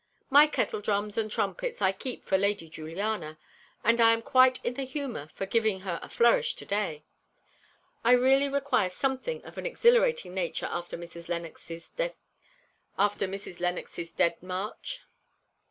My kettledrums and trumpets I keep for Lady Juliana, and I am quite in the humour for giving her a flourish today. I really require something of an exhilarating nature after Mrs. Lennox's dead march."